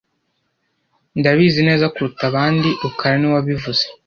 Ndabizi neza kuruta abandi rukara niwe wabivuze